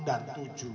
enam dan tujuh